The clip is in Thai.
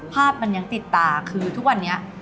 ภาพมันยังติดตาคือทุกวันนี้